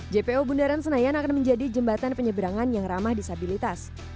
jpo bundaran senayan akan menjadi jembatan penyeberangan yang ramah disabilitas